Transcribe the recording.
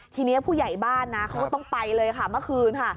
ทีนี้ผู้ใหญ่บ้านนะเขาก็ต้องไปเลยค่ะเมื่อคืนค่ะ